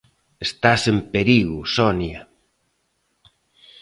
Estás en perigo, Sonia!